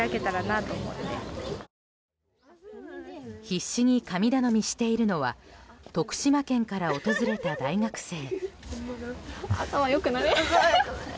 必死に神頼みしているのは徳島県から訪れた大学生。